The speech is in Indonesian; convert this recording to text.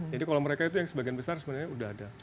jadi kalau mereka itu yang sebagian besar sebenarnya sudah ada